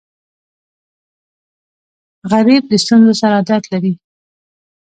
غریب د ستونزو سره عادت لري